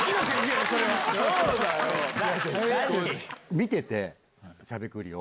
見てて『しゃべくり』を。